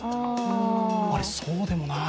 あれ、そうでもない？